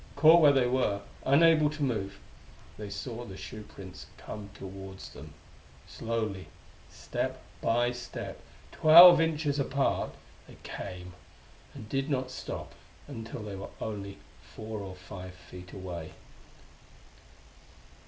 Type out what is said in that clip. Caught where they were, unable to move, they saw the shoe prints come towards them. Slowly, step by step, twelve inches apart, they came, and did not stop until they were only four or five feet away.